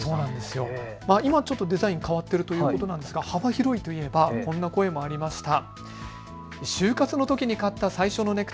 今デザイン、変わっているということなんですが幅広いといえばこんな声もありました。